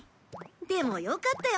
でもよかったよ